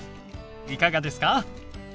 いかがですか？